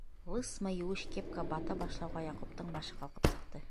Лысма еүеш кепка бата башлауға, Яҡуптың башы ҡалҡып сыҡты.